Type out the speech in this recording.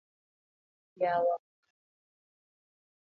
yawa owadwa